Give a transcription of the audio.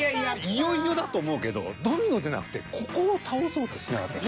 いよいよだと思うけどドミノじゃなくてここを倒そうとしてなかった？